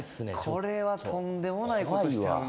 これはとんでもないことしてるな